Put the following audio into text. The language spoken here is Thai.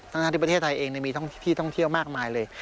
ทั้งที่ประเทศไทยเองมีที่ท่องเที่ยวมากมายเลย